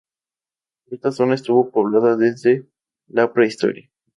Esta zona estuvo poblada desde la Prehistoria.